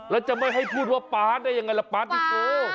แล้วจะไม่ให้พูดว่าป๊าดได้ยังไงล่ะป๊าดดิโก